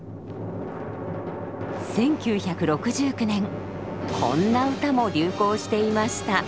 １９６９年こんな歌も流行していました。